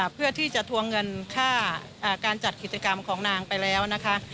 เพื่อที่จะทวงเงินค่าการจัดกิจกรรมของนางไปแล้วนะคะ